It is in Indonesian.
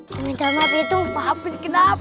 komen komen apa itu lupa hapin kenapa